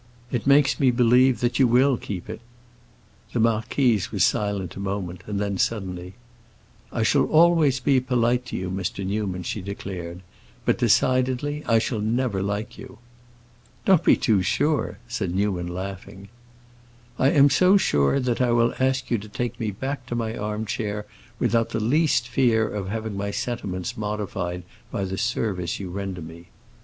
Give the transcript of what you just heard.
It makes me believe that you will keep it." The marquise was silent a moment, and then, suddenly, "I shall always be polite to you, Mr. Newman," she declared, "but, decidedly, I shall never like you." "Don't be too sure," said Newman, laughing. "I am so sure that I will ask you to take me back to my armchair without the least fear of having my sentiments modified by the service you render me."